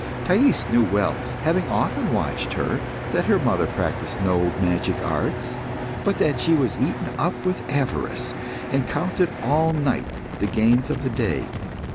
Thais knew well, having often watched her, that her mother practised no magic arts, but that she was eaten up with avarice, and counted all night the gains of the day.